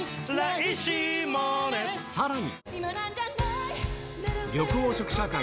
さらに。